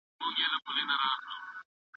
عملي ټولنپوهنه پروژې پر لاره اچوي.